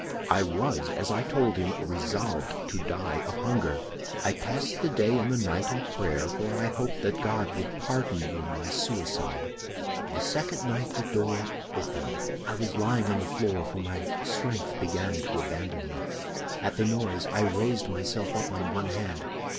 I was, as I told him, resolved to die of hunger. "I passed the day and the night in prayer, for I hoped that God would pardon me my suicide. "The second night the door opened; I was lying on the floor, for my strength began to abandon me. "At the noise I raised myself up on one hand.